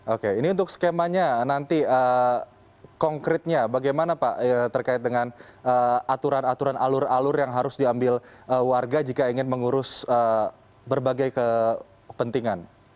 oke ini untuk skemanya nanti konkretnya bagaimana pak terkait dengan aturan aturan alur alur yang harus diambil warga jika ingin mengurus berbagai kepentingan